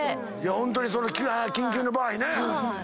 ホントに緊急の場合ね。